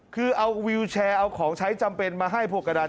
คือเอาวิวแชร์เอาของใช้จำเป็นมาให้พวกกระดาษ